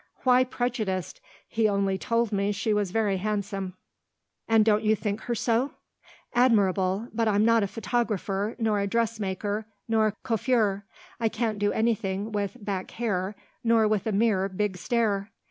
"Why prejudiced? He only told me she was very handsome." "And don't you think her so?" "Admirable. But I'm not a photographer nor a dressmaker nor a coiffeur. I can't do anything with 'back hair' nor with a mere big stare."